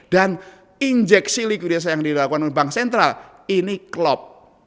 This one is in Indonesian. dan injeksi likuidase yang dilakukan oleh bank sentral ini klop